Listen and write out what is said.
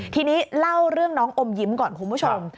ทีนี้เล่าเรื่องน้องอมยิ้มก่อนคุณผู้ชม